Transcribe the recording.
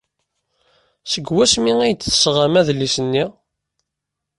Seg wansi ay d-tesɣam adlis-nni?